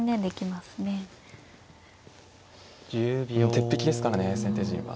鉄壁ですからね先手陣は。